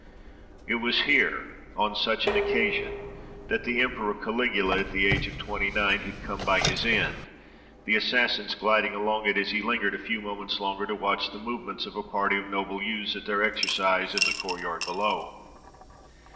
It was here, on such an occasion, that the emperor Caligula, at the age of twenty nine, had come by his end, the assassins gliding along it as he lingered a few moments longer to watch the movements of a party of noble youths at their exercise in the courtyard below.